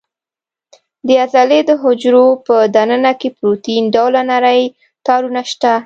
د عضلې د حجرو په دننه کې پروتین ډوله نري تارونه شته.